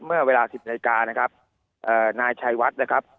เมื่อเวลาสิบนาฬิกานะครับเอ่อนายชัยวัดนะครับ